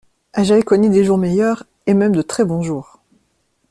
J’avais connu des jours meilleurs et même de très bons jours.